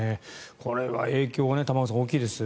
これは影響が玉川さん大きいです。